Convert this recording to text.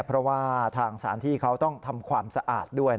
เพราะว่าทางสารที่เขาต้องทำความสะอาดด้วย